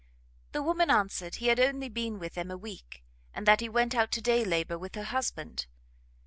The woman answered he had only been with them a week, and that he went out to day labour with her husband.